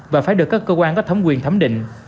và phải được các cơ quan có thẩm quyền thấm định